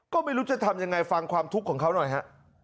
ก็ไม่รู้จะทำยังไงฟังความทุกข์ของเขาหน่อยฮะ